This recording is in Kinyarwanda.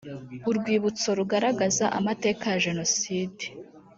urwibutso rugaragaze amateka ya jenoside